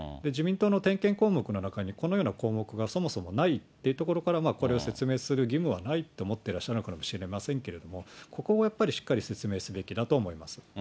自民党の点検項目の中にこのような項目がそもそもないっていうところから、これを説明する義務はないと思ってらっしゃるのかもしれませんけれども、ここはやっぱり、しっかり説明すべきだと思います。